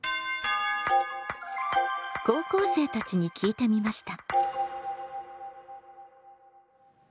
高校生たちに聞いてみました。